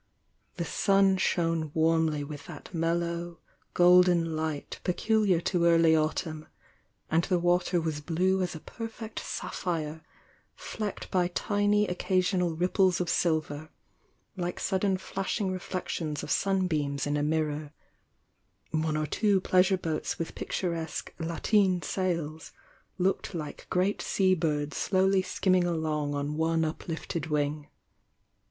The sun shone warmly with that mellow golden light peculiar to early autumn, and the water was blue as a perfect snpphire, flecked by tiny occasional ripples of silver, like sudden flash ing reflections of sunbeams in a mirror; one or two pleasure boats with picturesque "lateen"' sails looked like great sea birds slowly skimming along on one uplifted wing.